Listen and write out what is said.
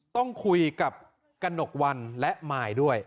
ต้องคุยกับกระหนกวันและมายด้วย